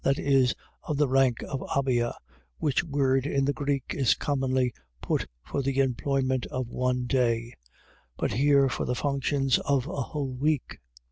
.that is, of the rank of Abia, which word in the Greek is commonly put for the employment of one day: but here for the functions of a whole week.